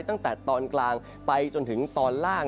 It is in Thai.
ตั้งแต่ตอนกลางไปจนถึงตอนล่าง